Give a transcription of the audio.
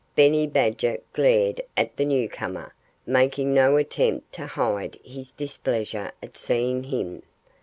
Benny Badger glared at the newcomer, making no attempt to hide his displeasure at seeing him.